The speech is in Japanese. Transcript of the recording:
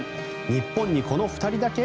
日本にこの２人だけ？